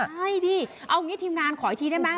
ใช่ดิเอางี้ทีมงานขออีกทีได้ไหม